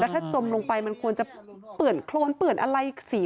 ถ้าจมลงไปมันควรจะเปื่อนโครนเปื่อนอะไรสี